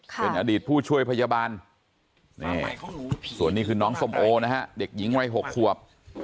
เป็นอดีตผู้ช่วยพยาบาลส่วนนี้คือน้องส้มโอนะฮะเด็กหญิงวัย๖ขวบ